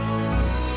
gak ada yang peduli